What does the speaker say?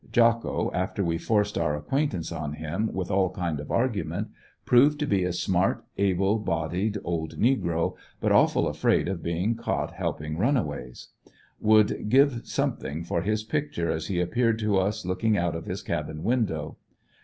Jocko, after we forced our acquaintance on him with all kind of argument, proved to be a smart able bodied old negro, but aw^ful afraid of being caught halping runaways. Would give something for his picture as he appeared to us looking out of his cabin window.